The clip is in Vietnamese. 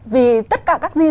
vì tất cả các di sản